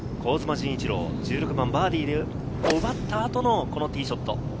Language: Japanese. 陣一朗、１６番バーディーを奪った後のこのティーショット。